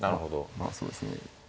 まあそうですね。